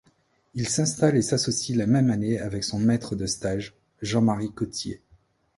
Il s'installe et s'associe la même année avec son maître de stage Jean-Marie Cottier.